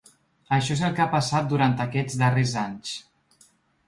Això és el que ha passat durant aquests darrers anys.